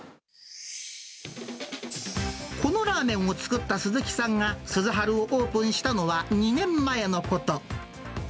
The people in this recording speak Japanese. このラーメンを作った鈴木さんが鈴春をオープンしたのは２年前のこと。